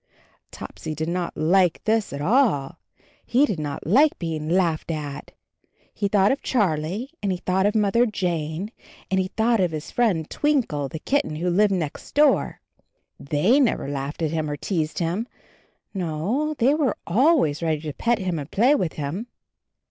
Topsy did not like this at all. He did not like being laughed at. He thought of Charlie, and he thought of Mother Jane, and he thought of his friend Twinkle, the kit ten who lived next door. Thejj never laughed at him or teased him, no, they were always ready to pet him and play with him.